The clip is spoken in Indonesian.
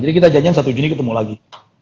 jadi kita janjian satu juni ketemu lagi